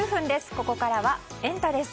ここからはエンタ！です。